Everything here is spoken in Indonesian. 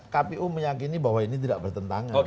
kpu meyakini bahwa ini tidak bertentangan